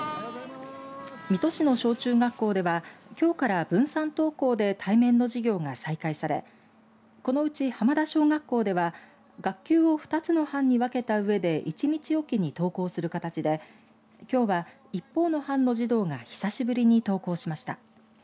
水戸市の小中学校ではきょうから分散登校で対面の授業が再開されこのうち浜田小学校では学級を２つの班に分けたうえで１日おきに登校する形できょうは一方の班の児童が久しぶりに登校しました。